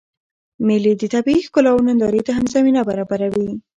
مېلې د طبیعي ښکلاوو نندارې ته هم زمینه برابروي.